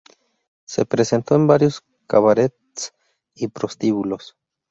Se presentó en varios cabarets y prostíbulos.